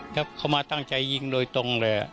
ถ้าเขามาตั้งใจยิงโดยตรงเลย